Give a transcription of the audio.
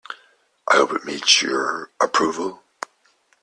I hope it meets your approval?